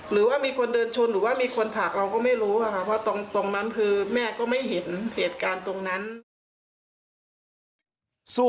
หรือว่ามีคนเดินชนหรือว่ามีคนผักเราก็ไม่รู้ค่ะค่ะ